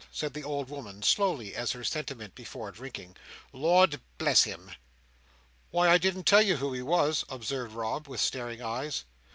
said the old woman, slowly, as her sentiment before drinking. "Lord bless him!" "Why, I didn't tell you who he was," observed Rob, with staring eyes.